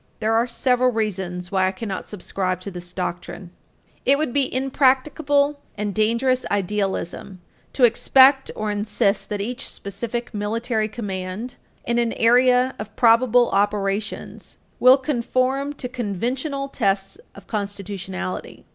There are several reasons why I cannot subscribe to this doctrine. It would be impracticable and dangerous idealism to expect or insist that each specific military command in an area of probable operations will conform to conventional tests of constitutionality.